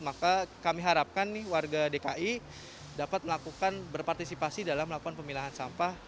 maka kami harapkan warga dki dapat melakukan berpartisipasi dalam melakukan pemilahan sampah